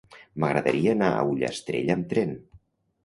M'agradaria anar a Ullastrell amb tren.